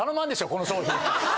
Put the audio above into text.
この商品を。